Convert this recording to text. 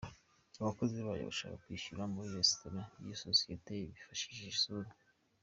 Abakozi bayo babasha kwishyura muri restaurant y’iyi sosiyete bifashishije isura.